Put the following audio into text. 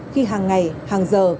khi hàng ngày hàng giờ